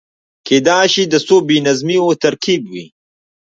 کېدای شي د څو بې نظمیو ترکيب وي.